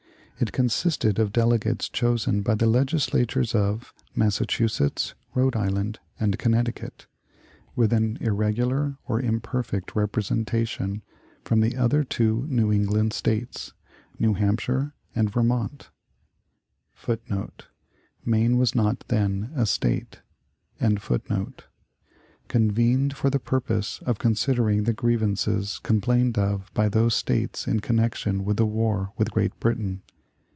It consisted of delegates chosen by the Legislatures of Massachusetts, Rhode Island, and Connecticut, with an irregular or imperfect representation from the other two New England States, New Hampshire and Vermont, convened for the purpose of considering the grievances complained of by those States in connection with the war with Great Britain.